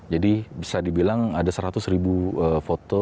jadi bisa dibilang ada seratus ribu foto